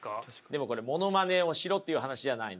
でもこれものまねをしろっていう話じゃないんです。